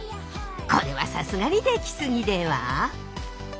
これはさすがにでき過ぎでは？